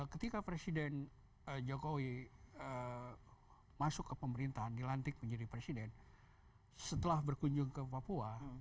ketika presiden jokowi masuk ke pemerintahan dilantik menjadi presiden setelah berkunjung ke papua